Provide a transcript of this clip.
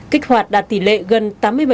kích hoạt đạt tỷ lệ gần tám mươi